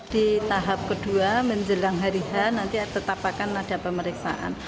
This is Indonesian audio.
di tahap kedua menjelang harihan nanti tertapakan ada pemeriksaan